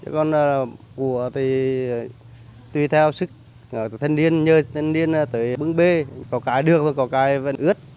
còn của thì tùy theo sức thân niên nhơi thân niên tới bưng bê có cái được và có cái ướt